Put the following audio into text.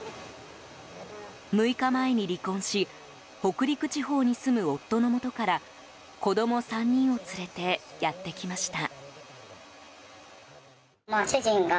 ６日前に離婚し北陸地方に住む夫のもとから子供３人を連れてやってきました。